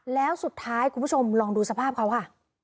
แล้วสุดท้ายคุณผู้ชมลองดูสภาพเขาค่ะ